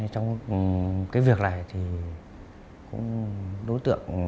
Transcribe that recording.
trong việc này thì đối tượng